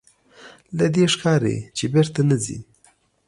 له دې ښکاري چې بېرته نه ځې.